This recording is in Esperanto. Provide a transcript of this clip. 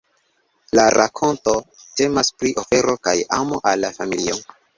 La rakonto temas pri ofero kaj amo al la familio.